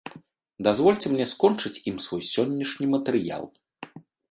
Дазвольце мне скончыць ім свой сённяшні матэрыял.